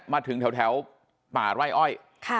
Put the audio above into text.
มาถึงแถวป่าไร่อ้อย